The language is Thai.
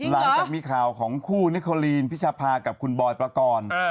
หลังจากมีข่าวของคู่นิโคลีนพิชภากับคุณบอยประกอบ